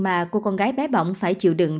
mà cô con gái bé bỏng phải chịu đựng